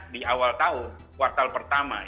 di awal tahun kuartal pertama